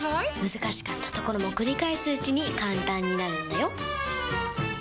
難しかったところも繰り返すうちに簡単になるんだよ！